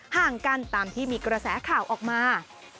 ห่างกันตามที่มีกระแสข่าวออกมา